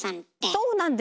そうなんですよ。